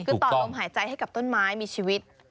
คือต่อลมหายใจให้กับต้นไม้มีชีวิต